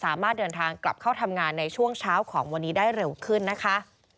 สามารถเดินทางกลับเข้าทำงานในช่วงเช้าของวันนี้ได้เร็วขึ้นนะคะ